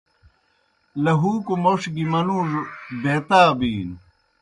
لہُوکوْ موْݜ گیْ منُوڙوْ بیتا بِینوْ۔